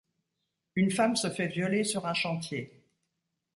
Une femme se fait violer sur un chantier.